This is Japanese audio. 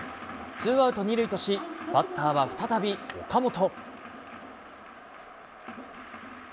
ツーアウト２塁とし、バッターは再び岡本。